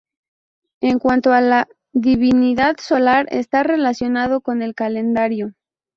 En cuanto a la divinidad solar, estaba relacionado con el calendario.